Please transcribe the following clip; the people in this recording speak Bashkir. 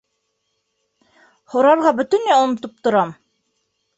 —Һорарға бөтөнләй онотоп торам.